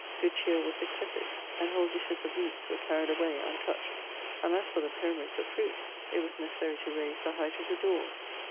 Good cheer was excessive, and whole dishes of meats were carried away untouched; and as for the pyramids of fruit, it was necessary to raise the height of the doors.